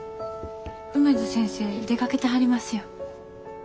梅津先生出かけてはりますよ。